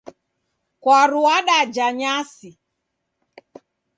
Kwaru w'adaja nyasi.